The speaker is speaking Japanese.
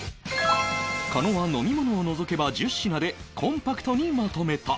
狩野は飲み物を除けば１０品でコンパクトにまとめた